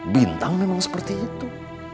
bintang memang seperti itu